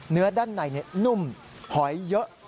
เนื้อด้านในนุ่มหอยเยอะ